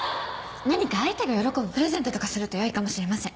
何か相手が喜ぶプレゼントとかするとよいかもしれません。